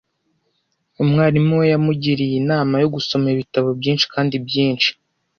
Umwarimu we yamugiriye inama yo gusoma ibitabo byinshi kandi byinshi.